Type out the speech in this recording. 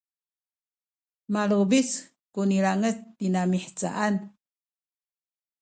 malubic ku nilangec tina mihcaan